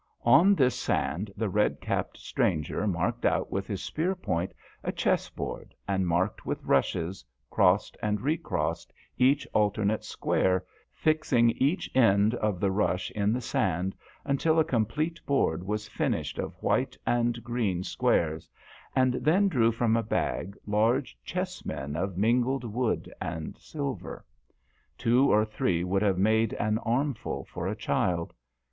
On this sand the red capped stranger marked out with his spear point a chess board, and marked with rushes, crossed and recrossed each alternate square, fixing each end of the rush in the sand, until a complete board was finished of white and green squares, and then drew from a bag large chess men of mingled wood and silver. Two or three would have made an armful for a child.